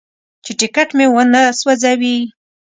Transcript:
چې ټکټ مې ونه سوځوي.